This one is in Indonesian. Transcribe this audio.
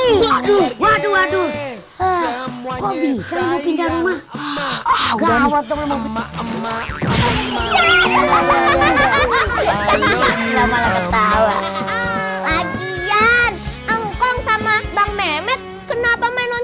udah waduh waduh kok bisa mau pindah rumah ah udah mau teman teman